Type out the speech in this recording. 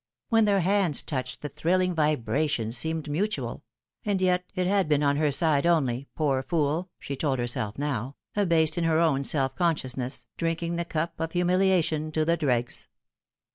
WLen their hands touched the thrilling vibration seemed mutual ; and yet it had been on her side only, poor fool, she told herself now, abased in her own self consciousness, drink ing the cup of humiliation to the dregs.